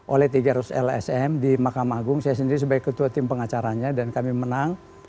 oleh tiga ratus lsm di makam agung saya sendiri sebagai ketua tim pengacaranya dan kami menang